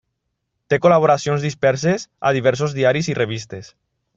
Té col·laboracions disperses a diversos diaris i revistes.